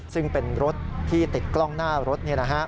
ซึ่งเป็นรถที่ติดกล้องหน้ารถ